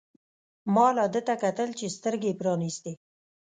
ما لا ده ته کتل چې سترګې يې پرانیستې.